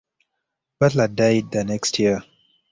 Butler died the next year.